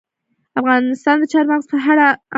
افغانستان د چار مغز په اړه علمي څېړنې لري.